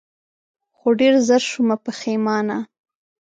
خو ډېر زر شومه پښېمانه